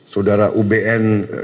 saudara ubn tidak bersalah sekali